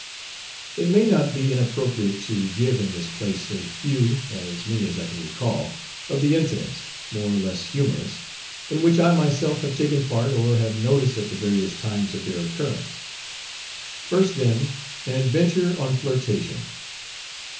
IT may not be inappropriate to give in this place a few as many as I can recall of the incidents, more or less humorous, in which I myself have taken part or have noticed at the various times of their occurrence. First, then, an adventure on "Flirtation."